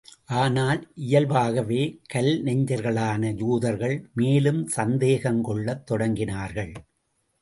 ஆனால், இயல்பாகவே கல் நெஞ்சர்களான யூதர்கள் மேலும் சந்தேகம் கொள்ளத் தொடங்கினார்கள்.